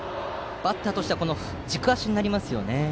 バッターとしては軸足になりますよね。